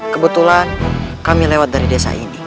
kebetulan kami lewat dari desa ini